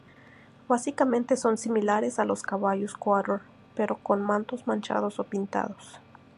Básicamente son similares a los caballos Quarter pero con mantos manchados o pintados.